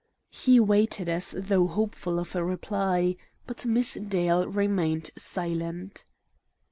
He waited as though hopeful of a reply, but Miss Dale remained silent.